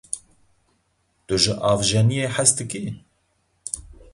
Tu ji avjeniyê hez dikî?